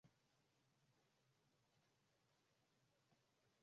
Watu wakitaamali, kumbe ndiyo buriani,